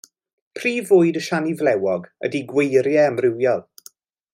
Prif fwyd y siani flewog ydy gweiriau amrywiol.